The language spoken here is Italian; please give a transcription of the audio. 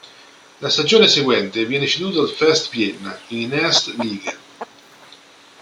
La stagione seguente viene ceduto al First Vienna, in Erste Liga.